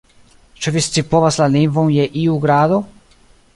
Ĉu vi scipovas la lingvon je iu grado?